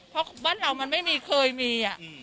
เพราะบ้านเรามันไม่มีเคยมี